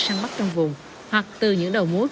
săn bắt trong vùng hoặc từ những đầu mối